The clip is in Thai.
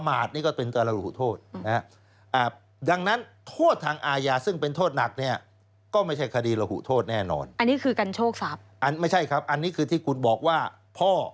อันนี้คือการโชคฟับ